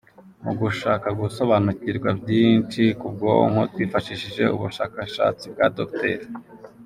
Mu gushaka gusobanukirwa byinshi ku bwonko twifashishije ubushakashatsi bwa Dr.